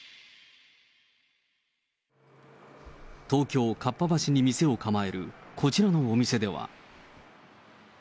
東京・合羽橋に店を構えるこちらのお店では。